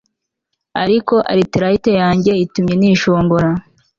Ariko arthrite yanjye itumye nishongora